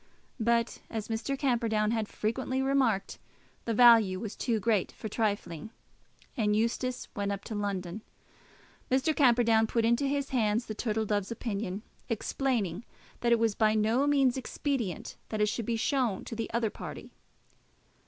But, as Mr. Camperdown had frequently remarked, the value was too great for trifling, and Eustace went up to London. Mr. Camperdown put into his hands the Turtle Dove's opinion, explaining that it was by no means expedient that it should be shown to the other party.